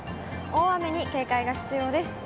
大雨に警戒が必要です。